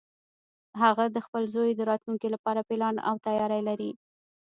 هغه د خپل زوی د راتلونکې لپاره پلان او تیاری لري